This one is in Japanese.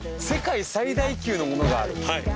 世界最大級のものがある？